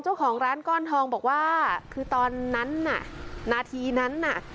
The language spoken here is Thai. เจ้าของร้านก้อนทองบอกว่าคือตอนนั้นน่ะนาทีนั้นน่ะ